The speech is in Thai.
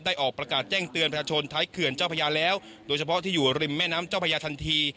ออกประกาศแจ้งเตือนประชาชนท้ายเขื่อนเจ้าพระยาแล้วโดยเฉพาะที่อยู่ริมแม่น้ำเจ้าพญาทันที